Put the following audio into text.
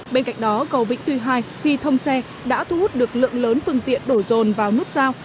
bên cạnh đó cầu vĩnh tuy hai khi thông xe đã thu hút được lượng lớn phương tiện đổ rồn vào nút giao